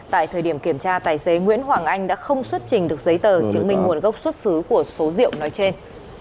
tại thời điểm kiểm tra tài xế nguyễn hoàng anh đã không xuất trình được giấy tờ chứng minh nguồn gốc xuất xứ của số rượu nói trên